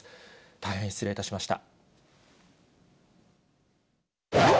大変失礼いたしました。